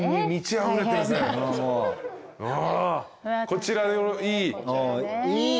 こちらいい？